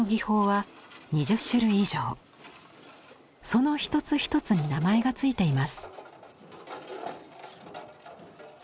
その一つ一つに名前が付いています。